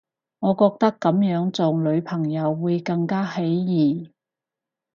我覺得噉樣做女朋友會更加起疑